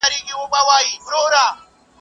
د نارينه د هوس لوبته جوړېدل دي